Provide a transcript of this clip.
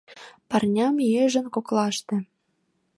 Парням йыжыҥ коклаште.